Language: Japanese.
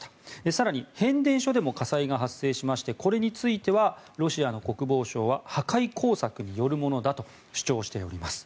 更に変電所でも火災が発生しましてこれについてはロシアの国防省は破壊工作によるものだと主張しております。